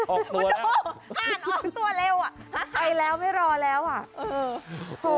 ออกตัวแล้วห่านออกตัวเร็วอ่ะไปแล้วไม่รอแล้วอ่ะโอ้โฮ